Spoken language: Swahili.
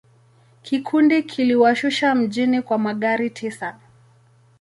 Kikundi kiliwashusha mjini kwa magari tisa.